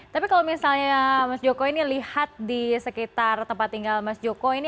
tapi kalau misalnya mas joko ini lihat di sekitar tempat tinggal mas joko ini